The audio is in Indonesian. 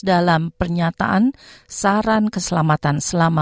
dalam pernyataan saran keselamatan selama